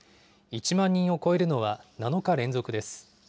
１万人を超えるのは７日連続です。